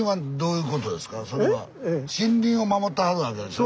森林を守ってはるわけでしょ？